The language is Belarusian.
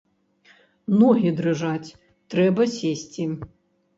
Ногі дрыжаць, трэба сесці.